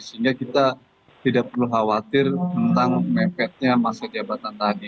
sehingga kita tidak perlu khawatir tentang mepetnya masa jabatan tadi